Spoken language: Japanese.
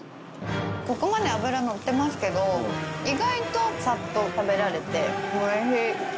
ここまで脂のってますけど意外とサッと食べられておいしい。